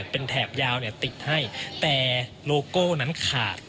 เป็นแถบยาวติดให้แต่โลโก้นั้นขาด